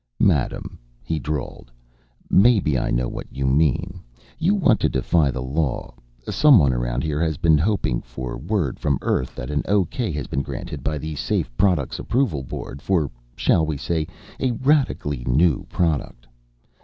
"Madam," he drawled, "maybe I know what you mean. You want to defy the law. Someone around here has been hoping for word from Earth that an okay has been granted by the Safe Products Approval Board, for, shall we say, a radically new product?